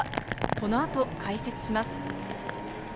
この後、解説します。